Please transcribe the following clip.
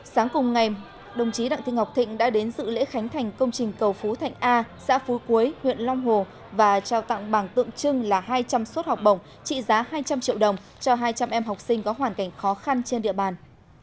sáng cùng ngày đồng chí đặng thị ngọc thịnh đã đến dự lễ khánh thành công trình cầu phú thạnh a xã phú quế huyện long hồ và trao tặng bảng tượng trưng là hai trăm linh suất học bổng trị giá hai trăm linh triệu đồng cho hai trăm linh em học sinh có hoàn cảnh khó khăn trên địa bàn